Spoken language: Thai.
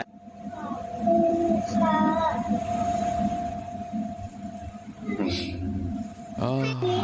ขอบคุณค่ะ